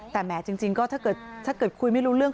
แต่แหมจริงก็ถ้าเกิดคุยไม่รู้เรื่อง